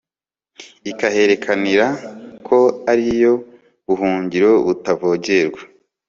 ikaherekanira ko ari yo buhungiro butavogerwa